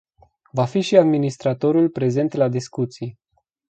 Va fi și administratorul prezent la discuții.